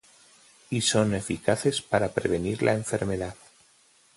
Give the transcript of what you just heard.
y son eficaces para prevenir la enfermedad